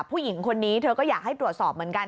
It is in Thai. ผู้หญิงคนนี้เธอก็อยากให้ตรวจสอบเหมือนกัน